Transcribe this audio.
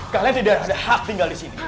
kalian tidak ada hak tinggal disini